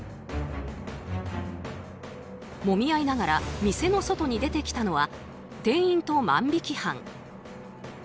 もみ合いながら店の外に出てきたのは店員と万引き犯。